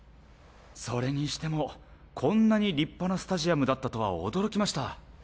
それにしてもこんなに立派なスタジアムだったとは驚きました。